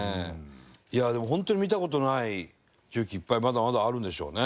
いやでも本当に見た事ない重機いっぱいまだまだあるんでしょうね。